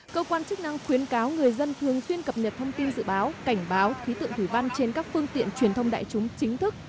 cơ quan chức năng khuyến cáo người dân thường xuyên cập nhật thông tin dự báo cảnh báo khí tượng thủy văn trên các phương tiện truyền thông đại chúng chính thức